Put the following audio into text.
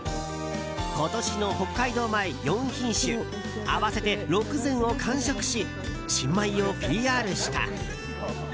今年の北海道米４品種合わせて６膳を完食し新米をＰＲした。